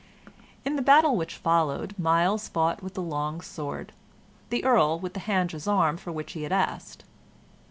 In the battle which followed, Myles fought with the long sword, the Earl with the hand gisarm for which he had asked.